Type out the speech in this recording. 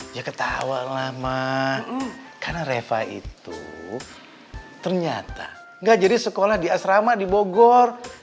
ya ketawa lah ma karena reva itu ternyata gak jadi sekolah di asrama di bogor